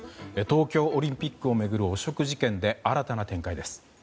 東京オリンピックを巡る汚職事件で新たな展開です。